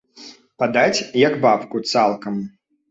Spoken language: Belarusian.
Падаць як бабку, цалкам.